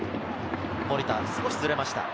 守田、少しずれました。